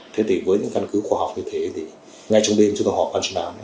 thế thì với những căn cứ khoa học như thế thì ngay trong đêm chứ còn họ ở trong nào